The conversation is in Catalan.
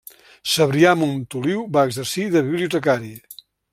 Cebrià Montoliu, va exercir de bibliotecari.